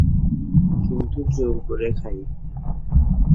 কিন্তু জোড় করে খাই।